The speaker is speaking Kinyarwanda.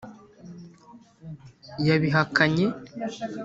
yabihakanye